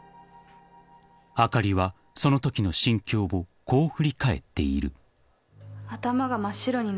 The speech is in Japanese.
［あかりはそのときの心境をこう振り返っている］